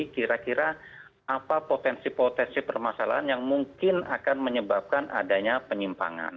kira kira apa potensi potensi permasalahan yang mungkin akan menyebabkan adanya penyimpangan